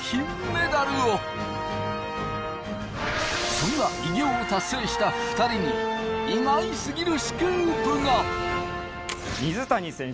そんな偉業を達成した２人に意外すぎるスクープが！